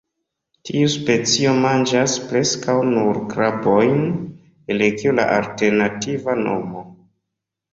Tiu specio manĝas preskaŭ nur krabojn, el kio la alternativa nomo.